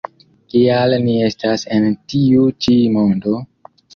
Kial ni estas en tiu ĉi mondo?